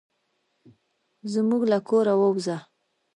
زموږ له کوره ووزه.